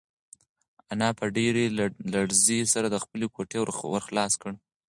انا په ډېرې لړزې سره د خپلې کوټې ور خلاص کړ.